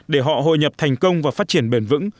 để họ hội nhập thành công và phát triển bền vững